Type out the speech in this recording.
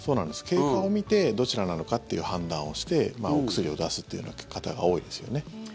経過を見てどちらなのかという判断をしてお薬を出すというような方が多いですよね。